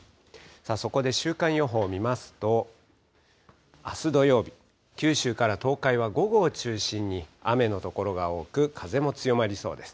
そこで週間予報見ますと、あす土曜日、九州から東海は午後を中心に雨の所が多く、風も強まりそうです。